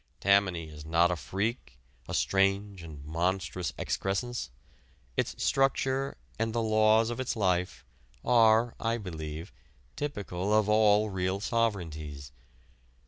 Tammany is not a freak, a strange and monstrous excrescence. Its structure and the laws of its life are, I believe, typical of all real sovereignties.